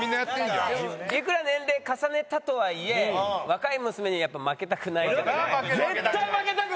でもいくら年齢重ねたとはいえ若い娘にやっぱ負けたくないじゃない？